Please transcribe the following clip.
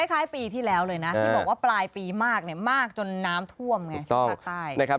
คล้ายปีที่แล้วเลยนะที่บอกว่าปลายปีมากมากจนน้ำท่วมไงที่ภาคใต้